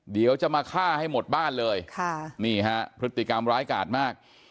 เดี๋ยวจะมาฆ่าให้หมดบ้านเลยค่ะนี่ฮะพฤติกรรมร้ายกาดมาก